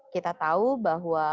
kita tahu bahwa